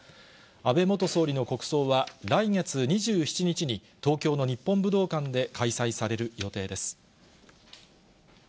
安倍元総理の国葬は、来月２７日に、東京の日本武道館で開催される予定です。